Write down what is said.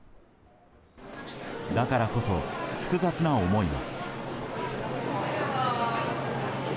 だからこそ、複雑な思いも。